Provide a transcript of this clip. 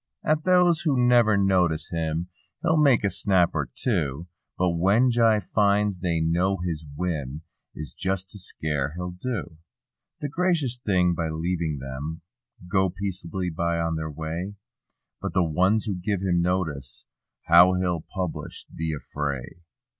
At those who never notice him he'll make a snap or two. But when Jie finds they know his whim is just to scare he'll do The gracious thing by leaving them go peace'bly on their way; But the ones who give him notice—^how he'll publish the affray.